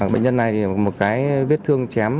bệnh nhân này một cái vết thương chém